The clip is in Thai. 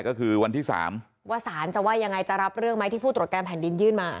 ก็คือวันที่๓ว่าสารจะว่ายังไงจะรับเรื่องไหมที่ผู้ตรวจการแผ่นดินยื่นมา